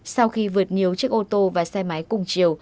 sau khi vượt nhiều chiếc ô tô và xe máy cùng chiều